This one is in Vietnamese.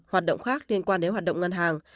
hoạt động khác liên quan đến hoạt động ngân hàng